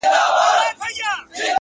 پوهه د انسان فکر ته ژورتیا وربښي؛